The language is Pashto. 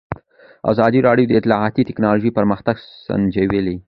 ازادي راډیو د اطلاعاتی تکنالوژي پرمختګ سنجولی.